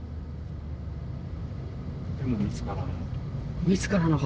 でも見つからない。